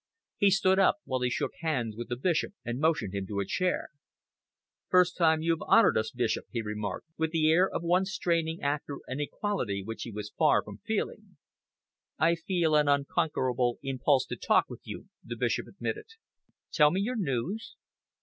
He stood up while he shook hands with the Bishop and motioned him to a chair. "First time you've honoured us, Bishop," he remarked, with the air of one straining after an equality which he was far from feeling. "I felt an unconquerable impulse to talk with you," the Bishop admitted. "Tell me your news?"